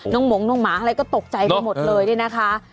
หมงน้องหมาอะไรก็ตกใจไปหมดเลยเนี่ยนะคะ